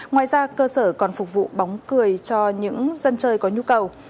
ngoài ra cơ sở còn phục vụ bóng cười cho những dân chơi có nhu cầu